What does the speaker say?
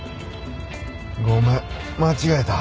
ごめん間違えた。